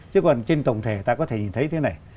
chứ còn trên tổng thể ta có thể nhìn thấy thế này